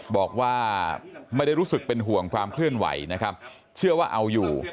บอกว่าไม่ได้รู้สึกเป็นห่วงความเคลื่อนไหวนะครับเชื่อว่าเอาอยู่